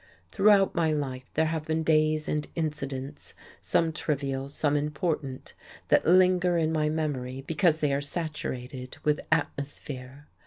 Throughout my life there have been days and incidents, some trivial, some important, that linger in my memory because they are saturated with "atmosphere."